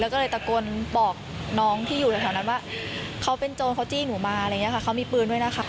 แล้วก็เลยตะโกนบอกน้องที่อยู่แถวนั้นว่าเขาเป็นโจรเขาจี้หนูมาอะไรอย่างนี้ค่ะเขามีปืนด้วยนะคะ